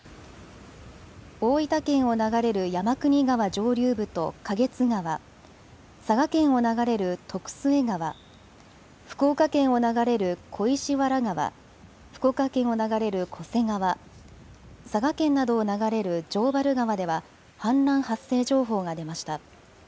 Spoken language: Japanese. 大分県を流れる山国川上流部と花月川、佐賀県を流れる徳須恵川、福岡県を流れる小石原川、福岡県を流れる巨瀬川、佐賀県などを流れる城原川では氾濫発生情報が出ました。